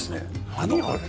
何あれ？